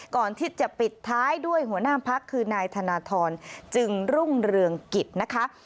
ก่อนที่จะปิดท้ายด้วยหัวหน้าพักคือนายธนทรจึงรุ่งเรืองกิจนะคะ